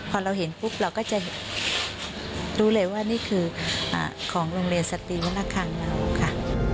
พอเราเห็นปุ๊บเราก็จะรู้เลยว่านี่คือของโรงเรียนสตรีวรคังเราค่ะ